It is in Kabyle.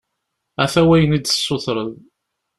Ata wayen i d-tessutreḍ.